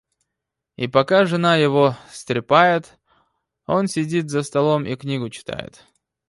И пока жена его стряпает, оно сидит за столом и книгу читает.